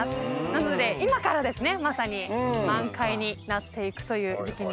なので今からですねまさに満開になっていくという時季になっています。